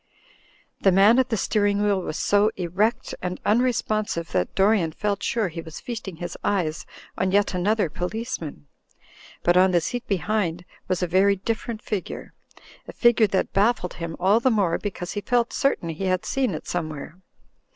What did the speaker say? The man at the steering wheel was so erect and unrespon sive that Dorian felt sure he was feasting his eyes on yet another policeman. But on the seat behind was a very different figure, a figure that baffled him all the more because he felt certain he had seen it somewhere.